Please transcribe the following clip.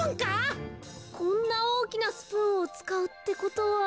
こんなおおきなスプーンをつかうってことは。